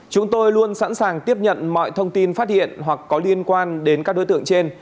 chúng tôi luôn sẵn sàng tiếp nhận mọi thông tin phát hiện hoặc có liên quan đến các đối tượng trên